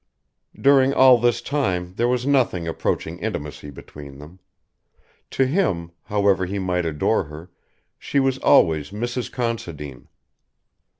During all this time there was nothing approaching intimacy between them. To him, however he might adore her, she was always Mrs. Considine.